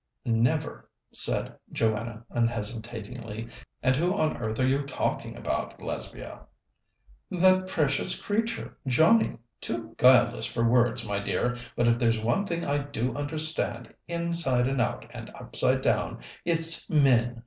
"Never," said Joanna unhesitatingly. "And who on earth are you talking about, Lesbia?" "That precious creature, Johnnie. Too guileless for words, my dear; but if there's one thing I do understand, inside out and upside down, it's men.